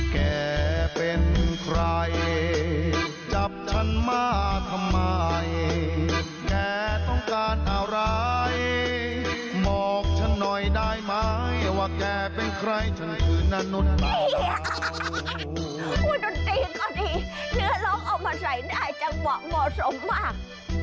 นี่นุฏตีก็ดีเนื้อล้อมออกมาใส่ได้จากหมอสมมาก